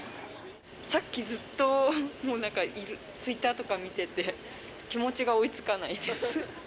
さっきずっともうなんか、ツイッターとか見てて、気持ちが追いつかないです。